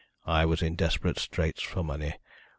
"I was in desperate straits for money.